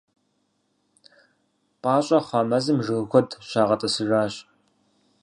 Пӏащӏэ хъуа мэзым жыг куэд щагъэтӏысыжащ.